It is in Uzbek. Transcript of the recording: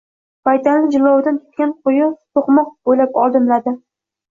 Baytalni jilovidan tutgan ko‘yi so‘qmoq bo‘ylab odimladi